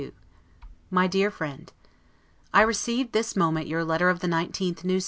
S. 1752 MY DEAR FRIEND: I receive this moment your letter of the 19th, N. S.